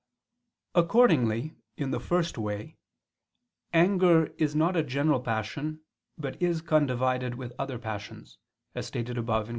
Accordingly in the first way, anger is not a general passion but is condivided with the other passions, as stated above (Q.